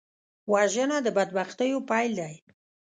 وژنه د بدبختیو پیل دی